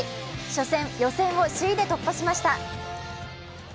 初戦、予選を首位で突破しました。